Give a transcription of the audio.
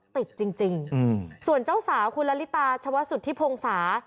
ติดจริงส่วนเจ้าสาวคุณละลิตาชวสุทธิพงศา